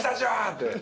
って。